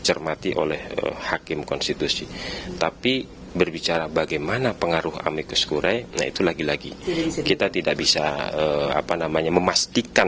juru bicara mahkamah konstitusi fajar laksono menyebut pengajuan amikus korea untuk memilu merupakan fenomena baru di mk